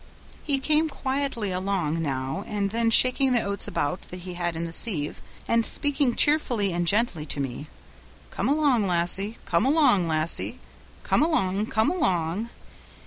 He came quietly along, now and then shaking the oats about that he had in the sieve, and speaking cheerfully and gently to me: 'Come along, lassie, come along, lassie; come along, come along.'